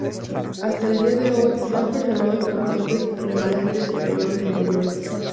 Hasta el día de hoy se han preservado importantes remanentes de períodos anteriores.